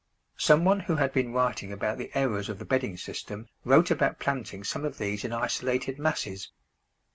Some one who had been writing about the errors of the bedding system wrote about planting some of these in isolated masses.